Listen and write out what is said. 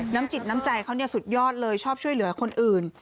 จิตน้ำใจเขาสุดยอดเลยชอบช่วยเหลือคนอื่น